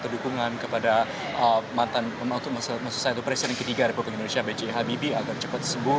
atau dukungan kepada mantan maksud saya itu presiden ketiga ri bghb agar cepat sembuh